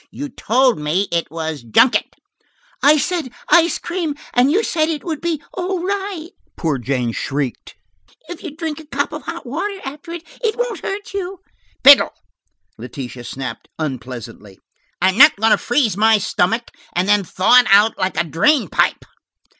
You told me it was junket." "I said ice cream, and you said it would be all right," poor Jane shrieked. "If you drink a cup of hot water after it, it won't hurt you." "Fiddle," Letitia snapped unpleasantly. "I'm not going to freeze my stomach and then thaw it out like a drain pipe.